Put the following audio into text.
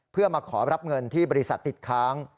เพื่อมาขอรับเงินที่บริษัทติดค้าง